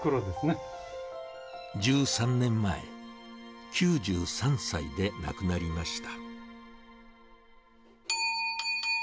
１３年前、９３歳で亡くなりました。